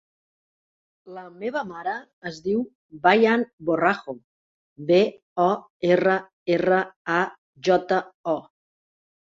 La meva mare es diu Bayan Borrajo: be, o, erra, erra, a, jota, o.